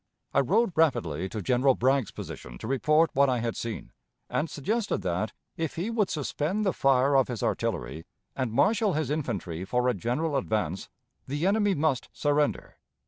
I rode rapidly to General Bragg's position to report what I had seen, and suggested that, if he would suspend the fire of his artillery and marshal his infantry for a general advance, the enemy must surrender.